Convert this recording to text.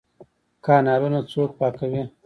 کانالونه څوک پاکوي؟